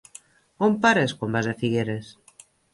On pares quan vas a Figueres?